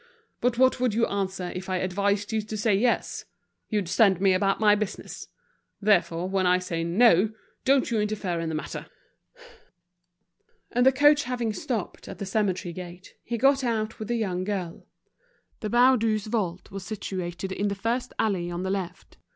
But what would you answer if I advised you to say 'yes?' You'd send me about my business. Therefore, when I say 'no,' don't you interfere in the matter." And the coach having stopped at the cemetery gate, he got out with the young girl. The Baudus' vault was situated in the first alley on the left.